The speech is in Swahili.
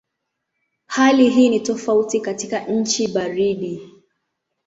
Hali hii ni tofauti katika nchi baridi.